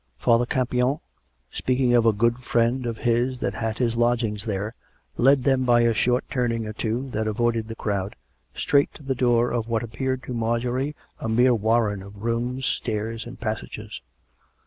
Father Campion, speaking of a " good friend " of his that had his lodgings there, led them by a short turning or two, that avoided the crowd, straight to the door of what ap peared to Marjorie a mere warren of rooms, stairs and passages.